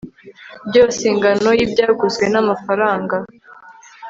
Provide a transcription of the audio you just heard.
byose ingano y ibyaguzwe n amafaranga